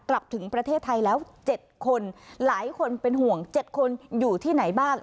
กลับถึงประเทศไทยแล้ว๗คนหลายคนเป็นห่วง๗คนอยู่ที่ไหนบ้าง